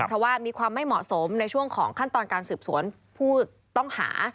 เพราะว่ามีความไม่เหมาะสมในช่วงของขั้นตอนการสืบสวนผู้ต้องหา